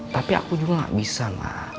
tapi aku juga gak bisa mbak